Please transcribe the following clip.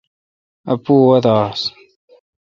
اّپوُاے°وادہ آس۔